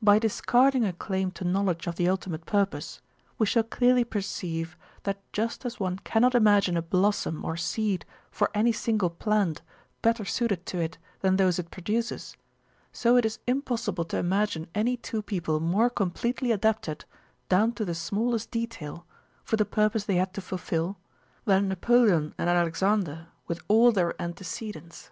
By discarding a claim to knowledge of the ultimate purpose, we shall clearly perceive that just as one cannot imagine a blossom or seed for any single plant better suited to it than those it produces, so it is impossible to imagine any two people more completely adapted down to the smallest detail for the purpose they had to fulfill, than Napoleon and Alexander with all their antecedents.